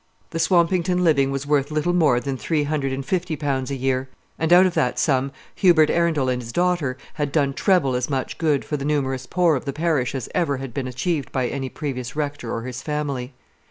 The Swampington living was worth little more than three hundred and fifty pounds a year; and out of that sum Hubert Arundel and his daughter had done treble as much good for the numerous poor of the parish as ever had been achieved by any previous Rector or his family.